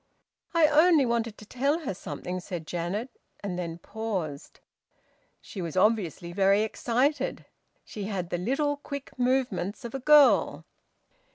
"I only wanted to tell her something," said Janet, and then paused. She was obviously very excited. She had the little quick movements of a girl.